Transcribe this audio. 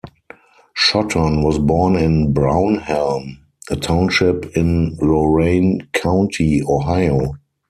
Shotton was born in Brownhelm, a township in Lorain County, Ohio.